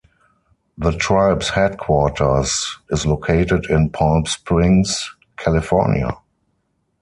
The tribe's headquarters is located in Palm Springs, California.